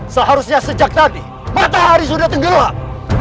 seharusnya sejak tadi matahari sudah tenggelam